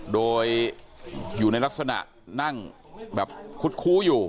โดยอยู่ในลักษณะนั่งแบบคุดคู้อยู่